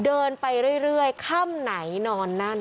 เดินไปเรื่อยค่ำไหนนอนนั่น